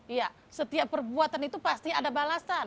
iya setiap perbuatan itu pasti ada balasan